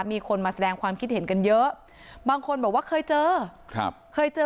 มีคนมาแสดงความคิดเห็นกันเยอะบางคนบอกว่าเคยเจอ